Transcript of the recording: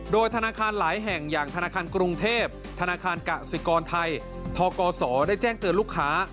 โดยธนาคารหลายแห่งอย่างธนาคารกรุงเทพธนาคารกสิกรไทยทกศได้แจ้งเตือนลูกค้า